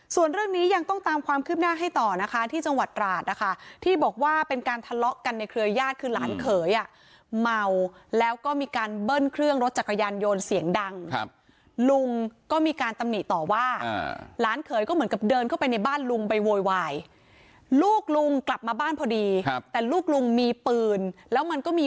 ส่วนเรื่องนี้ยังต้องตามความคืบหน้าให้ต่อนะคะที่จังหวัดราชนะคะที่บอกว่าเป็นการทะเลาะกันในเครือญาติคือหลานเขยอ่ะเมาแล้วก็มีการเบิ้ลเครื่องรถจักรยานยนต์เสียงดังครับลุงก็มีการตำหนิต่อว่าหลานเขยก็เหมือนกับเดินเข้าไปในบ้านลุงไปโวยวายลูกลุงกลับมาบ้านพอดีครับแต่ลูกลุงมีปืนแล้วมันก็มี